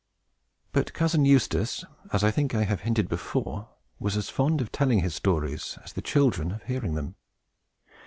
But Cousin Eustace, as I think I have hinted before, was as fond of telling his stories as the children of hearing them.